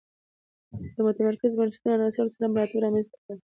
د متمرکزو بنسټونو عناصر او سلسله مراتب رامنځته کړل.